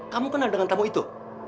kamu kenal dengan tamu itu